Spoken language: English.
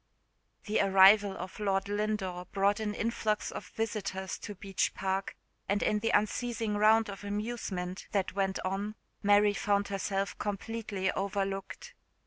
THE arrival of Lord Lindore brought a influx of visitors to Beech Park; and in the unceasing round of amusement that went on Mary found herself completely overlooked.